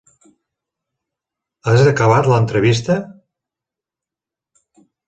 Has acabat l'entrevista?